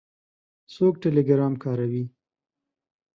څوک ټیلیګرام کاروي؟